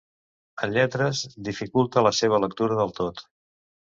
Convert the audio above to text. En lletres, dificulta la seva lectura del tot.